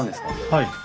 はい。